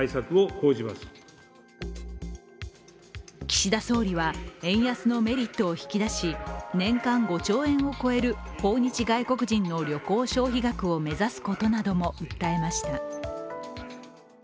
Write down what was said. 岸田総理は円安のメリットを引き出し、年間５兆円を超える訪日外国人の旅行消費額を目指すことなども訴えました。